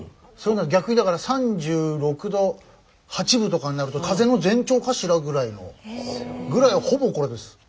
逆にだから３６度８分とかになると風邪の前兆かしら？ぐらいの。ぐらいほぼこれです。